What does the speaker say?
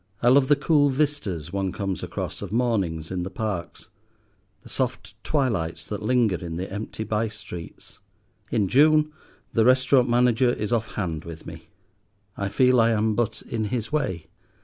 I love the cool vistas one comes across of mornings in the parks, the soft twilights that linger in the empty bye streets. In June the restaurant manager is off hand with me; I feel I am but in his way.